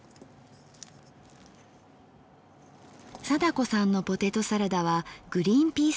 貞子さんのポテトサラダはグリンピース入り。